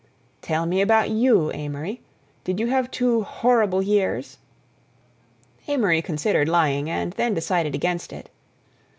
"Tell me about you, Amory. Did you have two horrible years?" Amory considered lying, and then decided against it.